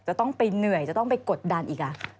จะต้องไปเหนื่อยจะต้องไปกดดันอีก